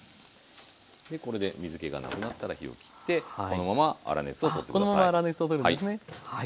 これで水けがなくなったら火を切ってこのまま粗熱を取って下さい。